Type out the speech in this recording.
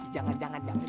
jangan jangan jangan